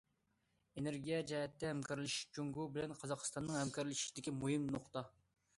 ئېنېرگىيە جەھەتتە ھەمكارلىشىش جۇڭگو بىلەن قازاقىستاننىڭ ھەمكارلىشىشىدىكى مۇھىم نۇقتا.